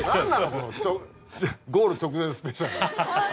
このゴール直前スペシャル。